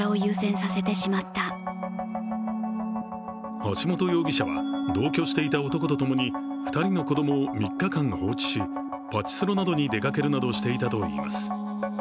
橋本容疑者は同居していた男とともに２人の子供を３日間放置しパチスロなどに出かけるなどしていたといいます。